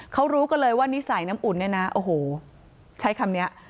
เขารู้กันเลยว่านิสัยน้ำอุ่นเนี่ยนะโอ้โหใช้คำนี้